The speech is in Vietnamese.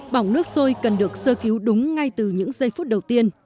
bỏng nước sôi cần được sơ cứu đúng ngay từ những giây phút đầu tiên